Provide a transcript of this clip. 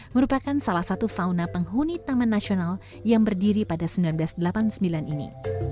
merupakan salah satu fauna penghuni taman nasional yang berdiri pada seribu sembilan ratus delapan puluh sembilan ini